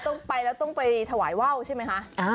ทุกคนเข้าไปแล้วต้องไปถวายว่าวใช่มั้ยคะ